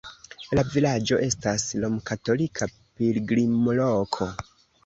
La vilaĝo estas romkatolika pilgrimloko.